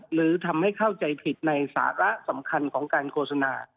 หรือทำให้เข้าใจผิดในสาระสำคัญของการโฆษณา